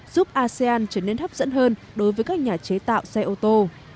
giúp asean trở nên hấp dẫn hơn đối với các nhà chế tạo xe ô tô